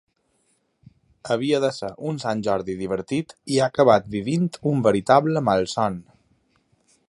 Havia de ser un sant Jordi divertit i ha acabat vivint un veritable malson.